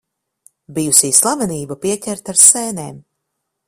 Bijusī slavenība pieķerta ar sēnēm.